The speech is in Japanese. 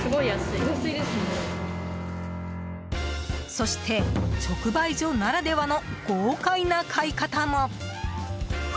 そして直売所ならではの豪快な買い方も。